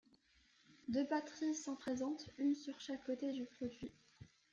Deux batterise sont présente, une sur chaque côté du produit.